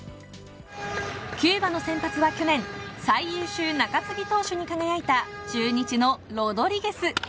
キューバの先発は去年最優秀中継ぎ投手に輝いた中日のロドリゲス。